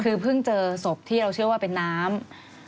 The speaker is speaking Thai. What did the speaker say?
คือเพิ่งเจอศพที่เราเชื่อว่าเป็นน้ำ